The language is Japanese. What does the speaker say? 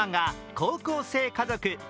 「高校生家族」。